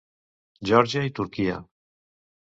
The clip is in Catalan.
Geòrgia i Turquia.